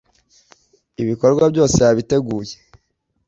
ibikorwa byose yabiteguye.